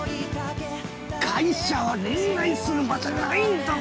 ◆会社は恋愛する場所じゃないんだぞ！